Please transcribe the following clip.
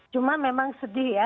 cuma memang sedih ya